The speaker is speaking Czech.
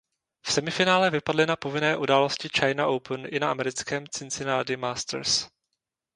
V semifinále vypadly na povinné události China Open i na americkém Cincinnati Masters.